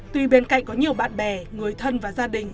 tuy bên cạnh có nhiều bạn bè người thân và gia đình